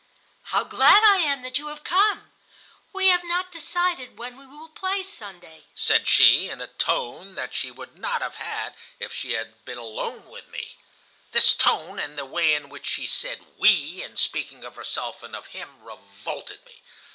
"'How glad I am that you have come! We have not decided what we will play Sunday,' said she, in a tone that she would not have had if she had been alone with me. "This tone, and the way in which she said 'we' in speaking of herself and of him, revolted me.